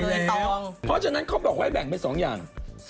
เพราะฉะนั้นเขาบอกไว้แบ่งไปสองอย่าง๒๕๕๕